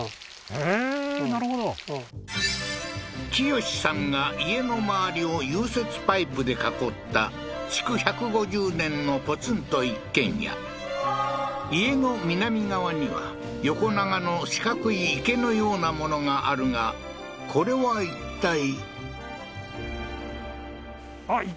へえーなるほど清司さんが家の周りを融雪パイプで囲った築１５０年のポツンと一軒家家の南側には横長の四角い池のようなものがあるがこれはいったい？